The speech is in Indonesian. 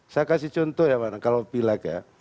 saya kasih contoh ya kalau pilih